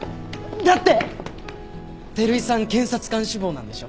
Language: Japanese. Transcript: だって照井さん検察官志望なんでしょ？